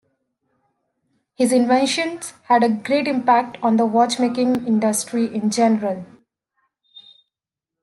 His inventions had a great impact on the watchmaking industry in general.